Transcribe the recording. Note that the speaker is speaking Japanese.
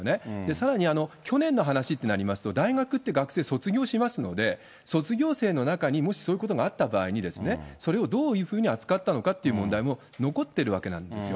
さらに去年の話ってなりますと、大学って学生卒業しますので、卒業生の中に、もしそういうことがあった場合にですね、それをどういうふうに暑かったのかっていう問題も残ってるわけなんですよ。